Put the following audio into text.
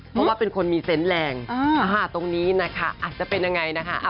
เพราะว่าเป็นคนมีเซนต์แรงตรงนี้นะคะอาจจะเป็นยังไงนะคะ